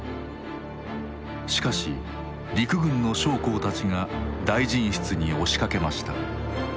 しかし陸軍の将校たちが大臣室に押しかけました。